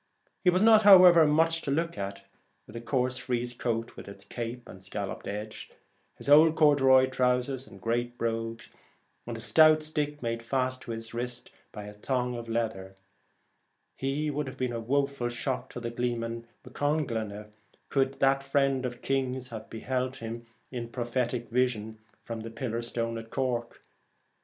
He was not, however, much to look at, with his coarse frieze coat with its cape and scalloped edge, his old corduroy trousers and great brogues, and his stout stick made fast to his wrist by a thong of leather : and he would have been a woeful 80 shock to the gleeman MacConghnne, could The Last i r • i r i • i iiiii • Gleeman. that friend of kings have beheld him in prophetic vision from the pillar stone at Cork.